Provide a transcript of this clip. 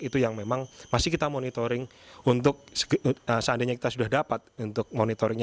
itu yang memang masih kita monitoring untuk seandainya kita sudah dapat untuk monitoringnya